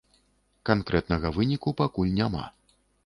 Канкрэтнага выніку пакуль няма.